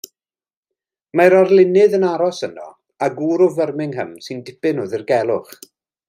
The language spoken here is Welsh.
Mae arlunydd yn aros yno a gŵr o Firmingham sy'n dipyn o ddirgelwch.